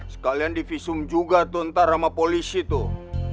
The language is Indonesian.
sekalian divisum juga tuh ntar sama polisi tuh